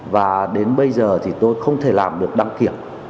và đến bây giờ thì tôi không thể làm được đăng kiểm